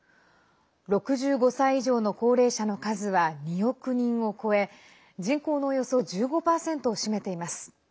６５歳以上の高齢者の数は２億人を超え人口のおよそ１５％を占めています。